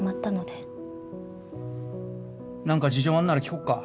なんか事情あるなら聞こうか？